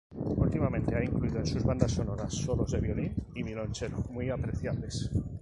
Últimamente ha incluido en sus bandas sonoras solos de violín y violoncello muy apreciables.